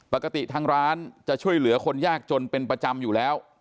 ปกติทางร้านจะช่วยเหลือคนยากจนเป็นประจำอยู่แล้ว